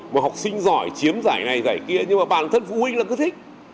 một học sinh giỏi chiếm giải này giải kia nhưng mà bản thân phụ huynh là cứ thích